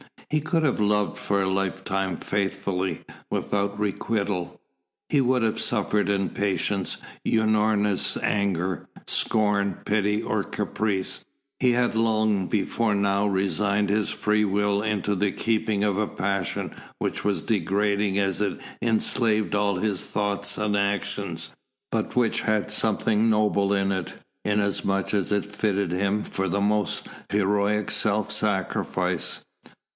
He could have loved for a lifetime faithfully, without requital; he would have suffered in patience Unorna's anger, scorn, pity or caprice; he had long before now resigned his free will into the keeping of a passion which was degrading as it enslaved all his thoughts and actions, but which had something noble in it, inasmuch as it fitted him for the most heroic self sacrifice.